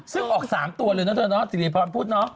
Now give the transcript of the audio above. ซึ่งออกสามตัวเลยนะเถอะสิริพรพูดนะ